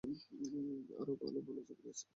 আরো ভালো ভালো চাকরি আছে না।